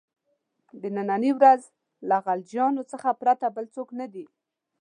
د نني ورځې له غلجیانو څخه پرته بل څوک نه دي.